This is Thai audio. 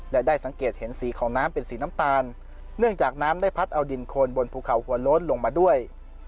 และได้สังเกตเห็นสีของน้ำเป็นสีน้ำตาลเนื่องจากน้ำได้พัดเอาดินโคนบนภูเขาหัวโล้นลงมาด้วย